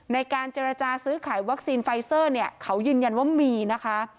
ในการเจรจาซื้อขายวัคซีนไฟเซอร์เนี่ยเขายืนยันว่ามีนะคะ